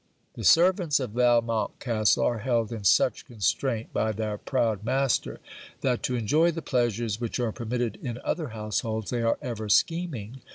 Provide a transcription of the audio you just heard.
The servants of Valmont castle are held in such constraint by their proud master, that to enjoy the pleasures which are permitted in other households they are ever scheming.